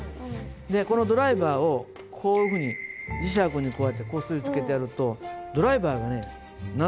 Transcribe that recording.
でこのドライバーをこういうふうに磁石にこすりつけてやるとドライバーが何と磁石になる。